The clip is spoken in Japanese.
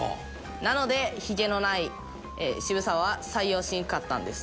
なのでヒゲのない渋沢は採用しなかったんです。